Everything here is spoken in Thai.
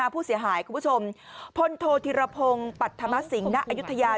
ผู้เสียหายคุณผู้ชมพลโธธิรพงศ์ปัจธรรมสิงห์ณอยุธยา